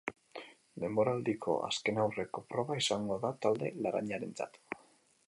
Denboraldiko azkenaurreko proba izango da talde laranjarentzat.